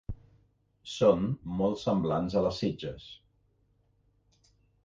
Són molt semblants a les sitges.